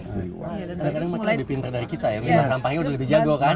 makanya lebih pintar dari kita ya mungkin mah sampahnya udah lebih jago kan